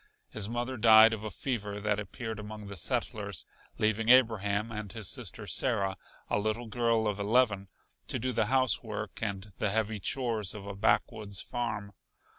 His mother died of a fever that appeared among the settlers, leaving Abraham and his sister Sarah, a little girl of eleven, to do the housework and the heavy chores of a backwoods farm.